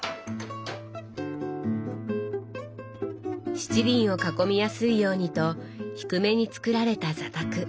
七輪を囲みやすいようにと低めに作られた座卓。